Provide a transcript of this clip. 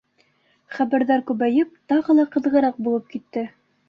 Хәбәрҙәр күбәйеп, тағы ла ҡыҙығыраҡ булып китте.